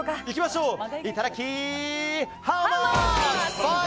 いきましょう！